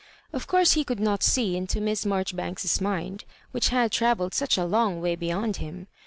Of course he could not see into Miss Marjohbanks's mind, which had trayelled such a long way beyond him.